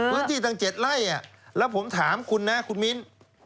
พื้นที่ตั้ง๗ไร่แล้วผมถามคุณนะคุณมิ้น